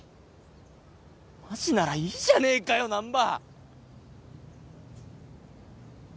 マジならいいじゃねえかよ難破！